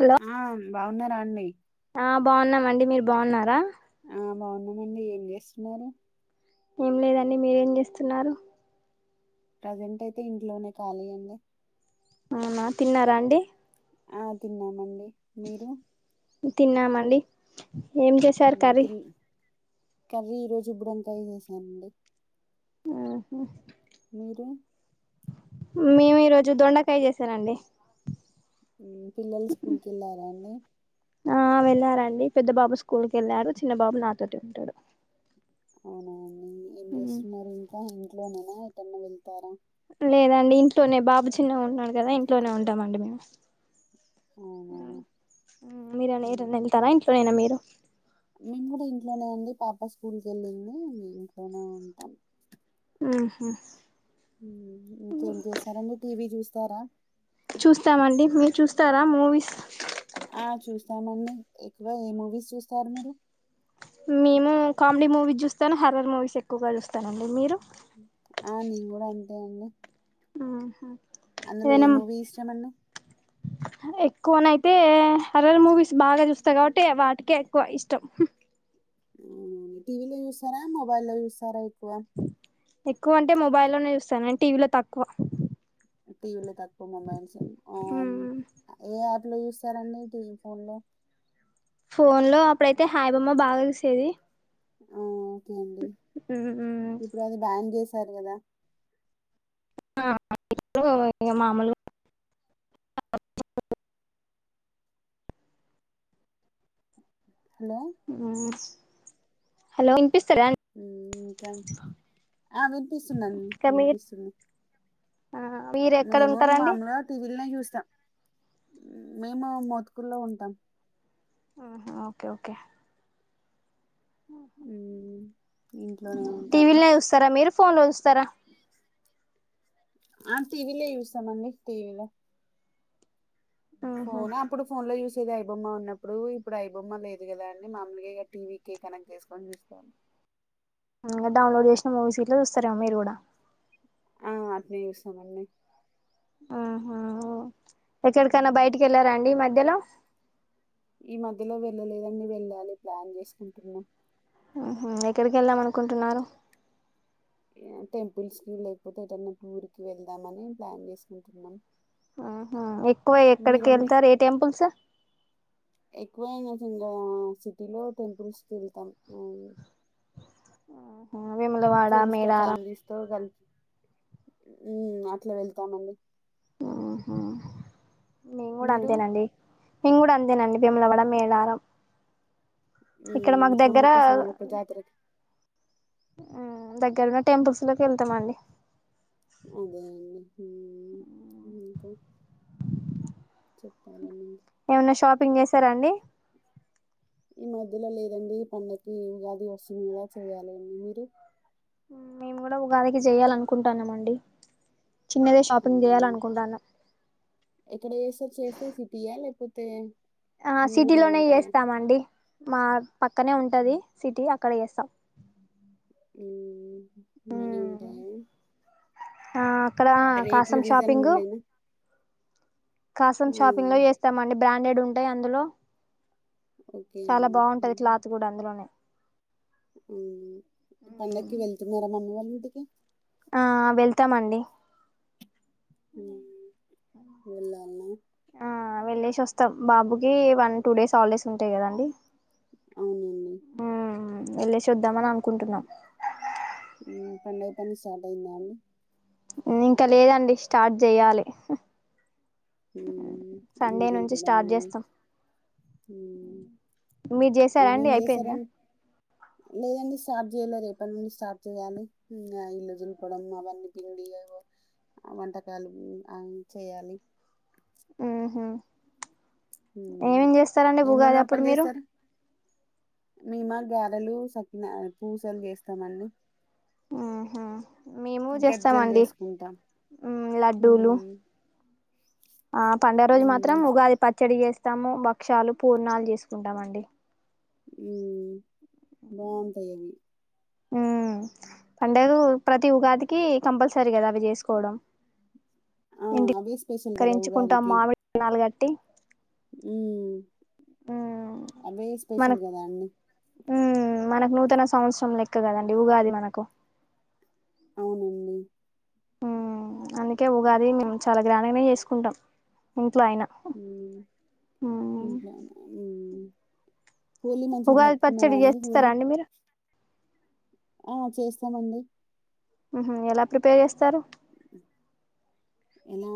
Hello ఆ బాగున్నారాండి ఆ బాగున్నామండి మీరు బాగున్నారా ఆ మార్నింగ్నుండి ఏం చేస్తున్నారు ఎం లేదండి మీరేం చేస్తున్నారు ప్రజెంట్ అయితే ఇంట్లోనే కాలీ అండి ఉమా తిన్నారా అండి ఆ తిన్నామండి మీరు తిన్నామండి ఏం చేశారు మ్, కర్రీ పిల్ కర్రీ ఈరోజు ఇబ్బుడువంకాయ చేశానండి ఉ హ్మ్మ్ మీరు మేము ఈరోజు దొండకాయ చేసానండి మ్, పిల్లలు స్కూల్కి వెళ్ళారా అండి వెళ్లారండి పెద్ద బాబు స్కూల్కి వెళ్ళారు చిన్న బాబు నాతోటే ఉంటాడు అవునండి ఏం చేస్తున్నారు ఇంకా ఇంట్లోనేనా ఎటన్నా వెళ్తారా లేదండి ఇంట్లోనే బాబు చిన్నగా ఉన్నాడు కదా ఇంట్లోనే ఉంటామండి మేము అవునా ఉ మీర ఏరనా ఇంకా వెళ్తారా ఇంట్లోనైనా మీరు మేము కూడా ఇంట్లోనే అండి పాప స్కూల్కి వెళ్ళింది ఇంట్లోనే ఉంటాం ఉ ఉహు ఇంకేం చేస్తారండి టీవీ చూస్తారా చూస్తామండి మీరు చూస్తారా మూవీస్ ఆ చూస్తామండి ఎక్కువ ఏ మూవీస్ చూస్తారు మీరు మేము కామెడీ మూవీస్ చూస్తాను హర్రర్ మూవీస్ ఎక్కువగా చూస్తానండి మీరు ఆ నేను కూడా అంతే అండి అ హ అందులో ఎ మూవి ఇష్టమండి ఎక్కువనైతే హరర్ మూవీస్ బాగా చూస్తా కాబట్టి వాటికే ఎక్కువ ఇష్టం టీవీలో చూస్తారా మొబైలో చూస్తారా ఎక్కువ ఎక్కువ అంటే మొబైల్లోనే చూస్తాను టీవీలో తక్కువ టీవిల తక్కు మొబైల్స్లో హం ఎ అ ఎట్లా చూస్తారండి టీవీ ఫోన్ లో ఫోన్ లో అప్పుడైతే హాయిబోమ్మ బాగా చూసేది ఊ ఓకే అండి ఇప్పుడు అది బ్యాన్ చేశారు కదా ఇప్పు మామూలుగా బ్లాంక్ హలో ఉ హలొ హ్మ్ ఇంకా అవి పిస్తుదండి ఇంకా మీరు వినిపిస్తుంది ఆ మీరు ఎక్కడ మేము ఉంటారండి మామూలుగా టీవీలనే చూ త్ మేము మోతుకులో ఉంటాం ఉహు ఓకే ఓకే హ్మ్మ్ టీవీలో చూస్తారా మీరు ఫోన్లో చూస్తారా ఆ టీవీలే చూస్తామండి టీవీలో ఫోన్ అప్పుడు ఫోన్ లో యూస్ ఐబొమ్మ ఉన్నప్పుడు ఇప్పుడు ఐబొమ్మ లేదు గాదా అండి మాములుగా ఇగా టీవీకె కనెక్ట్ చేసుకొని చూస్తాం బ్లాంక్ ఇంగ డౌన్లోడ్ చేసిన మూవీస్ గిట్ల చూస్తారేమో మీరు కూడా అట్నే చూస్తామండి ఆహా ఎక్కడికన్నా హ్మ్. బయటికి వెళ్లారా అండి ఈ మధ్యలో ఈ మధ్యలో వెళ్ళలేదండి వెళ్ళాలి ప్లాన్ చేసుకుంటున్నాం ఆహా ఎక్కడికి వెళదాం అనుకుంటున్నారు టెంపుల్స్ కి లేకపోతే ఎదనా టూర్ కి వెళ్దామని ప్లాన్ చేసుకుంటున్నాం. ఉహు ఎక్కువ ఎక్కడికి మీరండి? వెళ్తారు ఏ టెంపుల్స్? ఎక్కువ ఇంగా సిటీలో టెంపుల్స్కి వెళ్తాం అ వేములవాడ ఫ్రెండ్స్ తో మేడారం ఫ్యామిలీస్ తో కల్సి అట్లా వెళ్తామండి నేను గుడా మీరు? అంతేనండి. నేను గుడా అంతేనండి బిమ్లవడ మేళారం ఉమ్ సమ్మక్క సారక్క జాతరకి అ దగ్గరన్న టెంపుల్స్ లోకి వెళ్తామండి. అదే అండి హ్మ్ ఉమ్ ఏవన్నా షాపింగ్ చేసారాండి? ఈ మధ్యలో లేదండి ఈ పండగకి ఈ ఉగాది వస్తుంది గదా చేయాలండి మీరు? మేము కూడా ఉగాదికి చేయాల అనుకుంటాన్నామండి. అవును ఎక్కడ చేస్తార్ చేస్తే సిటీయా లేపోతే ఆ సిటీలోనే చేస్తామండి మా పక్కనే ఉంటది సిటీ అక్కడ చేస్తా ఉమ్ మనింటయా ఆ అక్కడ కాసం షాపింగు రీజనబులేనా కాసం షాపింగ్ లో హ్మ్ చేస్తామండి బ్రాండెడ్ ఉంటాయి అందులో. ఓకే చాలా అండి బావుంటది క్లాత్ గూడా అందులోనే ఉమ్ పండక్కి వెళ్తున్నారా మమ్మీ వాళ్ళ ఇంటికి? ఆ వెళ్తామండి ఉమ్ వెళ్ళాల్నా వెళ్లేేసి వస్తాం బాబుకి వన్ టూ డేస్ హాలిడేస్ ఉంటాయి కదాండి. అవునండి ఏళ్ళేసోద్దాం అని అనుకుంటున్నాం. ఉమ్ పండగ పని స్టార్ట్ అయిందా అండి? ఉ ఇంకా లేదండి స్టార్ట్ చెయ్యాలి. హ్మ్. ఇల్లు సండే నుంచి దులపడం. స్టార్ట్ చేస్తాం. హ్మ్. మీర్ జెసారా ఏమేం అండి అయిపోయిందా? చేశారం లేదండి స్టార్ట్ చేయాలె రేపటి నుండి స్టార్ట్ చేయాలి ఇల్లు చిలుపడం అవన్నీ పిండి వంటకాలు ఉమ్ అ చేయాలి ఉహు ఉమ్ ఏమేం చేస్తారండి ఎ ఉగాది అప్పుడు నునప్పలు మీరు చేసారు? మేమ గారెలు, సకిన పూసలు చేస్తామండి. ఆహా మేము గజ్జలు చేస్తామండి చేసుకుంటాం. ఉమ్ లడ్డూలు. హ్మ్. ఆ పండగ రోజు హ్మ్. మాత్రం ఉగాది పచ్చడి చేస్తాము. బక్షాలు, పూర్ణాలు చేసుకుంటామండి. ఉమ్ బావుంటయి అవి ఉ పండేగు ప్రతి ఉగాదికి కంపల్సరీ కదా అవి చేసుకోవడం ఆ! ఇంటి అవే స్పెషల్ కదా కరించుకుంటాం ఉగాదికి. మామిడి కణాలు గట్టి ఉమ్ అవే స్పెషల్ మనకు గదా అండి. ఉమ్ మనకు నూతన సంవత్సరం లెక్క కదండి ఉగాది మనకు అవునండి ఉమ్ అందుకే ఉగాది మేము చాలా గ్రాండ్గనే చేసుకుంటాం. ఉ ఉమ్ ఇంట్లనా ఉమ్ ఉగాది పచ్చడి అండి జేస్తారా హోలీ? అండి మీరు? ఆ చేస్తామండి. ఉహ్ ఎలా ప్రిపేర్ చేస్తారు? ఎలా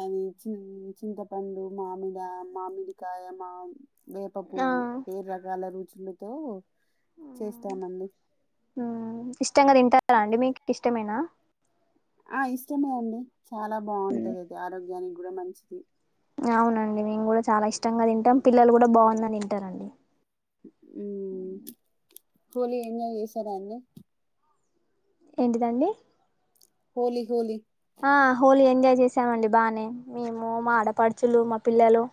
అని చిన్ చింతపండు, మామిడ, మామిడికాయ, మామ్ వేప ఆ పువ్వు ఏడ్ రకాల రుచులతో చేస్తామండి ఉమ్ ఇష్టంగా తింటారా అండి మీకు ఇష్టమేనా ఆ ఇష్టమే అండి చాలా బాగుంటది అది ఆరోగ్యానికి గుడా మంచిది అవునండి మేము కూడా చాలా ఇష్టంగా తింటాం. పిల్లలు కూడా బావుందని తింటారండి. ఉమ్ హోలీ ఎంజాయ్ చేశారా అండి? ఏంటిదండి హోలీ హోలీ ఆ హోలీ ఎంజాయ్ చేసామండి బాగానే మేము మా ఆడపడుచులు మా పిల్లలు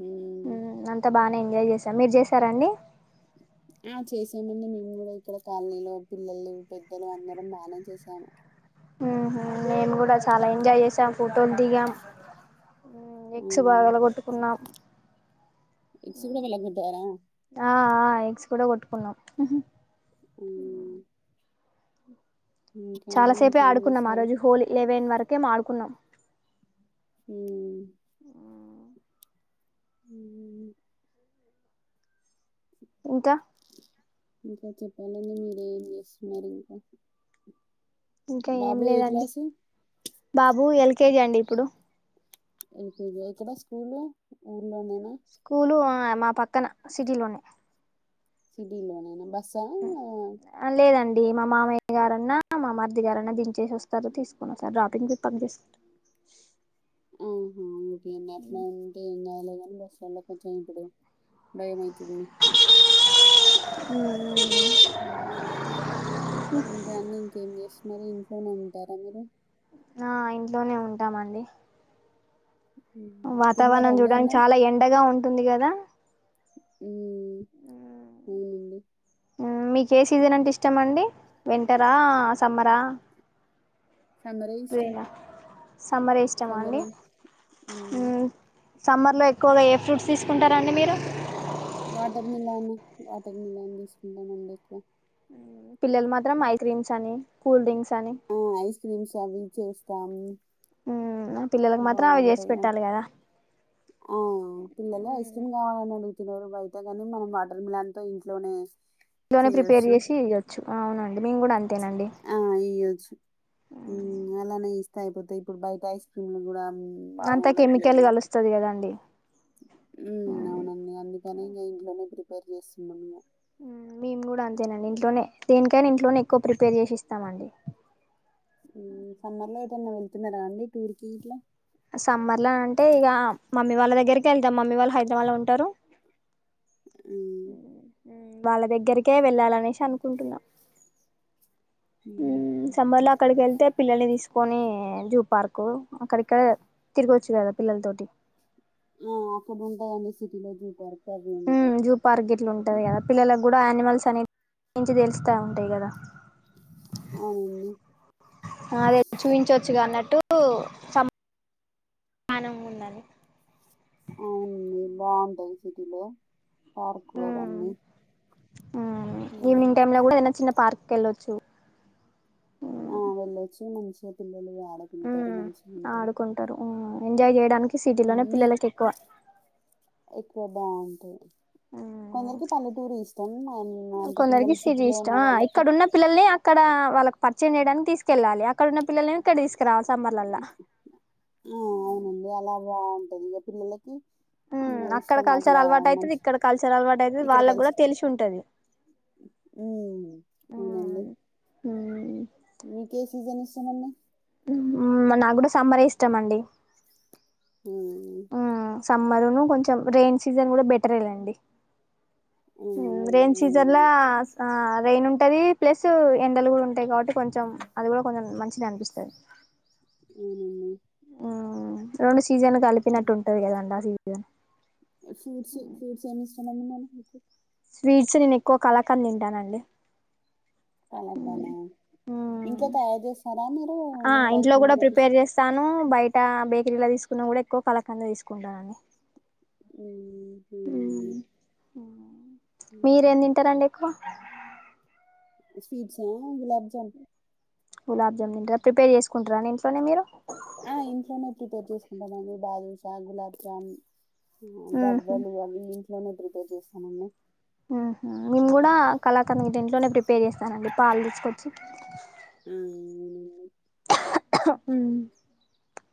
హ్మ్. అంతా బానే ఎంజాయ్ చేసాం మీరు చేసారండి ఆ చేసామండి మేము కూడా ఇక్కడ కాలనీలు పిల్లలు పెద్దలు అందరం బాగానే చేసాము ఆహా మేము కూడా చాలా ఎంజాయ్ చేసాం ఫోటోలు దిగం ఎగ్స్ హ్మ్. బాగాలగొట్టుకున్నాం ఎగ్స్ గూడా పగలగొట్టారా? ఆ ఎగ్స్ కూడా కొట్టుకున్నాం ఉమ్ చాలా సేపే ఇంకేం ఆడుకున్నాం ఆ చేశారు రోజు హోలీ లెవెన్ వరకే ఏమో ఆడుకున్నాం హ్మ్మ్ హ్మ్ ఇంకా ఇంకా చెప్పాలడి మీరేం చేస్తున్నారు ఇంకా ఇంకా ఏం బాబు ఏ లేదండి క్లాసు బాబు ఎల్కేజీ అండి ఇప్పుడు ఏళకేజీ అ ఏక్కడ స్కూల్ స్కూలు ఆ మా పక్కన సిటీ లోనే సిటీ లోలనేనా బస్సు హా ఆ లేదండి మా మామయ్యగారన్నా మామర్దిగారన్నా దిచేసి వస్తారు తీసుకొని ఒస్తరు డ్రాపింగపికప్ చేసుకుంటార్ ఆ ఉమ్ ఇంకా ఏం చేస్తన్నారు ఏం చెతనారు ఎలవెన్ బస్టాండ్ లోకి ఒచ్చినం ఇప్పుడు భయం ఐతుంది ఇంకాన్ని ఇంకేం చేస్తున్నారు ఇంట్లోనే ఉంటారా మీరు అ ఇంట్లోనే ఉంటామంది ఉమ్. తిన్నారా వాతావరణం అండి చూడానికి అన్నం చాలా ఎండగా ఉంటుంది కదా ఉమ్ అవునండి మీకు ఏ సీజన్ అంటే ఇష్టమ అండి వింటర్రా సమ్మర్రా సమ్మర్ ఎ ఇష్టం సమ్మరే ఇష్టమ అండి ఉమ్ సమ్మర్లో ఎక్కువగా ఏ ఫ్రూప్ట్స్ తీసుకుంటారండి మీరు వాటర్మీలోన్ అండి వాటర్మీలోన్ తీసుకుంటామండి ఎక్కువగా పిల్లలు మాత్రం ఐస్ క్రీమ్స్ అని కూల్ డ్రింక్స్ అని ఆ ఐస్ క్రీమ్స్ అవి చేస్తాము ఉమ్ బాగుంటాయి ఆ పిల్లలు ఐస్ క్రీమ్ కావాలని అడుగు చిన్నోడో బయతేగాని మనం వాటర్మీలోన్ తో ఇంట్లోనే ఇంట్లోనే ప్రిపేర్ చేయచ్చు చేసి ఇయ్యొచ్చు అవునండి మేము కూడా అంతేనండి ఆ ఈయచ్చు అలానే ఇస్తా అయిపోతే ఇప్పుడు బయట ఐస్ క్రీమ్లు కూడా ఉమ్, అంతా కెమికల్ బాగుండట్లేవు కలుస్తుది కదండి ఉమ్, అవునండి ఇంకా ఇంట్లోనే ప్రిపేర్ జెస్తునాము మేము కూడా అంతేనండి ఇంట్లోనే దేనికైనా ఇంట్లోనే ఎక్కువ ప్రిపేర్ చేసి ఇస్తామండి ఏమైనా వెళ్తున్న రా అండి టూర్కి ఇట్లా సమ్మర్ లో అంటే ఇక మమ్మీ వాళ్ళ దగ్గరికి వెళ్దాం మమ్మీ వాళ్ళు హైదరాబాద్ లో ఉంటారు ఉమ్, వాళ్ళ దగ్గరికే వెళ్ళాలినిషి అనుకుంటున్నా ఉమ్ సమ్మర్ లో అక్కడికి వెళ్తే పిల్లల్ని తీసుకొని జూ పార్క్ కో అక్కడికె తిరగవచ్చు కదా పిల్లల తోటి ఆ అక్కడ ఉంటాయండి సిటీలో జూపర్క్ ఉ జూ పార్క్ ఇట్లా ఉంటది కదా పిల్లలకు కూడా యానిమల్స్ పని నించి తెలుస్తా ఉంటాయి కదా అవునండి అదే చూయించోచ్చుగాన్నట్టు టూ సమామానంగా ఉండాలి అవునండి బావుంటాయి సిటీలో పార్కు అవన్నీ ఉమ్ ఈవినింగ్ ఉమ్. టైమ్ లో కూడా ఏమన్న చిన్న పార్కుకు వెళ్ళొచ్చు. ఉ వెళ్ళొచ్చు మంచిగా పిల్లలుగా ఉ ఆడుకుంటారు ఉ ఎంజాయ్ చేయడానికి ఉమ్, సిటీలోనే మీ పిల్లలకి ఎక్కువ ఎక్కువ బావుంటది ఉమ్ అండ్ అంత కొందరికి పిల్లలు సిటీ సిటీలో ఉన్న ఇష్టం ఆ వాళ్ళకి ఇక్కడున్న పిల్లల్ని అక్కడ వాళ్ళకి ప రిచయం చెయడానికి తీసుకెళ్లాలి అక్కడ ఉన్న పిల్లల్నిమొ ఇక్కడికి తీసుకురావాలి. సమ్మర్లల్లా ఆ అవునండి అలా బావుంటది ఇగ పిల్లలకి హ్మ్ ఇంగ అక్కడ ఇష్టం కల్చర్ అట్లా అలవాటు అయితది. మంచి ఇక్కడ కల్చర్ అలవాటయితది వాళ్ళకి కూడా తెలిషుంటది. హ్మ్ అవునండి ఇంకెస్ సీజన్ ఇష్టమండి ఉమ్ నా కూడా సమ్మరే ఇష్టామండి హ్మ్ సమ్మరును కొంచెం రెయిన్ సీజన్ కూడా బెటరేలేండి. ఆ! మ్ రైన్ అవునండి. సీజన్లాస్ ఆస్ రైన్ ఉంటుంది ప్లస్ ఎండలు కూడా ఉంటాయి కాబట్టి కొంచెం అది కూడా కొంచెం మంచిదే అనిపిస్తది. అవునా ఉమ్ రెండు సీజన్లు కలిపినట్టు ఉంటది కదండి ఆ సీజన్. స్వీట్సు, ఫ్రూట్స్ ఏమిఇష్టం అండి మనకైతే స్వీట్స్ నేను ఎక్కువ కళాకాండ్ తింటానండి. కలాకాండ మ్మ్ ఇంట్ల తయారు చేస్తారా మీరు ఆ బయట ఇంట్లో నుండే తెప్పిచ్ బేకరీల తీసుకున్నా కూడా ఎక్కువ కలకంద తీసుకుంటానని ఉమ్ మ్ హ్మ్. మీరేం తింటారండి ఎక్కువ? స్వీట్స్ ఆ గులాబ్జామ్ గులాబ్ జామున్ ఇంట ప్రిపేర్ చేసుకుంటారా అండి ఇంట్లోనే మీరు? ఆ ఇంట్లోనే ప్రిపేర్ చేసుకుంటామండి బాదుషా, గులాబ్ జామున్ మ్మ్ హ్మ్ గవ్వలు అవన్ని ఇంట్లోనే ప్రిపేర్ చేస్తామండి. ఉహ మేము కూడా కళాకంద గిట ఇంట్లోనే ప్రిపేర్ చేస్తానండి పాలు తీసుకొచ్చి ఉమ్ ఉమ్